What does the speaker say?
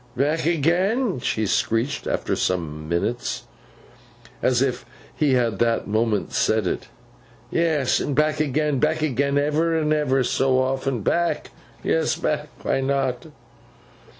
'Back agen?' she screeched, after some minutes, as if he had that moment said it. 'Yes! And back agen. Back agen ever and ever so often. Back? Yes, back. Why not?